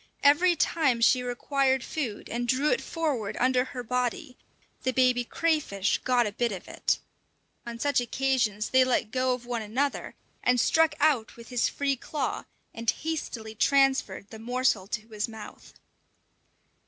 Every time she required food and drew it forward under her body, the baby crayfish got a bit of it. On such occasions they let go of one another, and struck out with his free claw, and hastily transferred the morsel to his mouth.